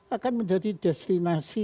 akan menjadi destinasi